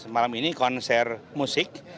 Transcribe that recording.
dalam ini konser musik